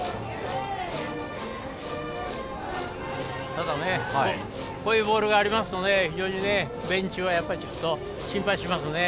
ただ、今のようなボールがありますと非常にベンチは心配しますね。